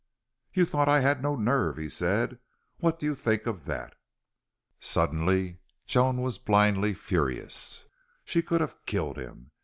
"You thought I had no nerve," he said. "What do you think of that?" Suddenly Joan was blindly furious. She could have killed him.